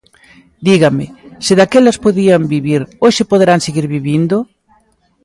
Dígame, se daquelas podían vivir, ¿hoxe poderán seguir vivindo?